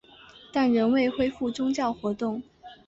但仍未恢复宗教活动。